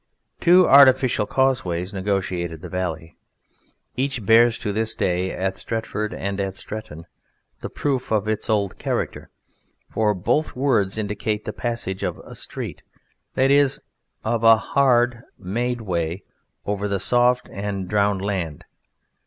Two artificial causeways negotiated the valley. Each bears to this day (at Stretford and at Stretton) the proof of its old character, for both words indicate the passage of a "street," that is, of a hard made way, over the soft and drowned land.